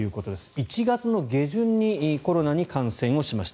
１月の下旬にコロナに感染しました。